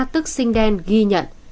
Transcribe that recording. tức sinh đen ghi nhận